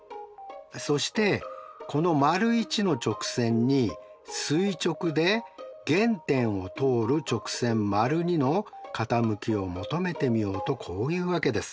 そしてこの①の直線に垂直で原点を通る直線②の傾きを求めてみようとこういうわけです。